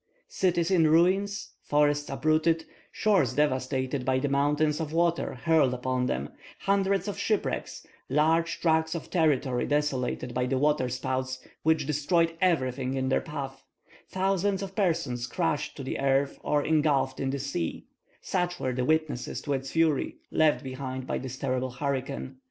Cities in ruins, forests uprooted, shores devastated by the mountains of water hurled upon them, hundreds of shipwrecks, large tracts of territory desolated by the waterspouts which destroyed everything in their path, thousands of persons crushed to the earth or engulfed in the sea; such were the witnesses to its fury left behind by this terrible hurricane.